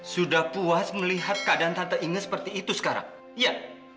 sudah puas melihat keadaan tante inge seperti itu sekarang iya